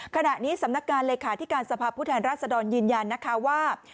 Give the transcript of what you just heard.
ขณะนี้สำนักการเลขาธิการสภาพผู้แทนราชดรยืนยันนะคะว่า